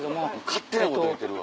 勝手なこと言うてるわ。